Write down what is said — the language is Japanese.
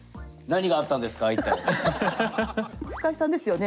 深井さんですよね。